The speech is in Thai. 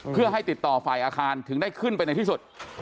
เพื่อให้ติดต่อฝ่ายอาคารถึงได้ขึ้นไปในที่สุด